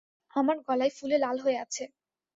আমার গলায় ফুলে লাল হয়ে আছে।